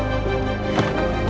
lo mau kemana